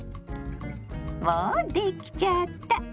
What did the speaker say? もうできちゃった。